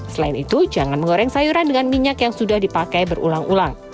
selain itu jangan mengoreng sayuran dengan minyak yang sudah dipakai berulang ulang